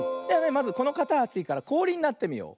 まずこのかたちからこおりになってみよう。